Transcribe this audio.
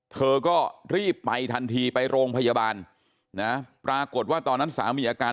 เธอก็รีบไปทันทีไปโรงพยาบาลนะปรากฏว่าตอนนั้นสามีอาการ